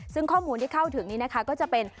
ซึ่งข้อมูลที่เข้าถึงนี้นะคะก็จะเป็น